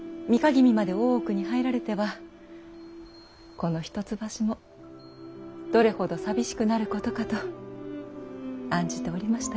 君まで大奥に入られてはこの一橋もどれほど寂しくなることかと案じておりましたゆえ。